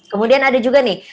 kemudian ada juga nih